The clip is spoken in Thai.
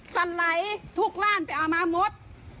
สันไลท์ทุกร่านไปเอามามด